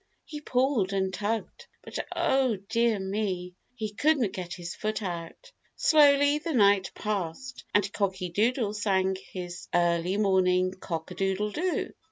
He pulled and tugged. But, oh dear me. He couldn't get his foot out. Slowly the night passed, and Cocky Doodle sang his early morning "Cock a doodle do."